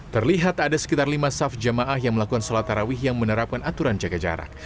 terlihat ada sekitar lima saf jamaah yang melakukan sholat tarawih yang menerapkan aturan jaga jarak